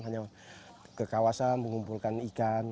hanya ke kawasan mengumpulkan ikan